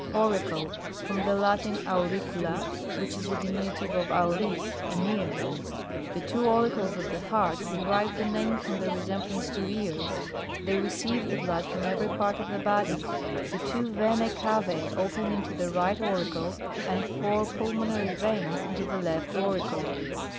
AURICLE. From the Latin, auricula, which is the diminutive of awns, an ear. The two auricles of the heart, derive the name from their resem blance to ears. They receive the blood from every part of the body. The two venae cavae open into the right auricle, and four pulmonary veins into the left auricle.